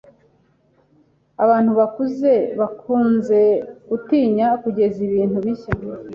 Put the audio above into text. Abantu bakuze bakunze gutinya kugerageza ibintu bishya.